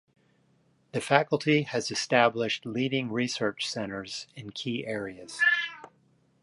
The Faculty has established leading research centres in key areas.